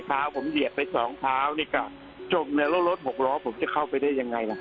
เท้าผมเหยียดไปสองเท้านี่ก็จบแล้วรถหกล้อผมจะเข้าไปได้ยังไงล่ะ